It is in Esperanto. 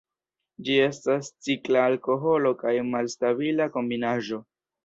Ĝi estas cikla alkoholo kaj malstabila kombinaĵo.